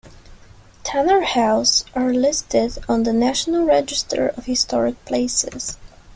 Tanner House are listed on the National Register of Historic Places.